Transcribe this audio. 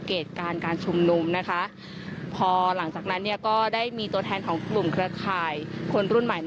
การการชุมนุมนะคะพอหลังจากนั้นเนี่ยก็ได้มีตัวแทนของกลุ่มเครือข่ายคนรุ่นใหม่